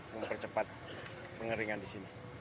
mempercepat pengeringan di sini